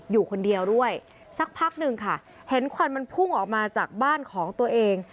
อยู่คนเดียวด้วยสักพักหนึ่งค่ะเห็นควันมันพุ่งออกมาจากบ้านของตัวเอง